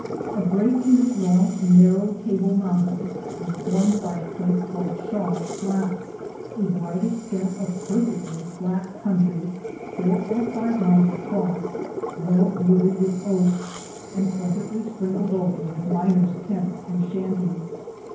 A break in this long narrow Table Mountain was formed by a place called Shaw's Flats, a wide extent of perfectly flat country, four or five miles across, well wooded with oaks, and plentifully sprinkled over with miner's tents and shanties.